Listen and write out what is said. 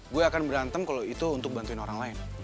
gue akan berantem kalau itu untuk bantuin orang lain